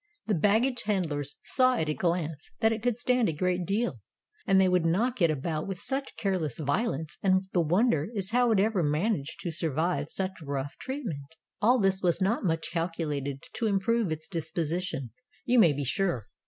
The baggage handlers saw at a glance that it could stand a great deal. And they 159 i6o Tales of Modern Germany would knock it about with such careless violence that the wonder is how it ever managed to survive such rough treatment. All this was not much calculated to improve its disposition, you may be sure.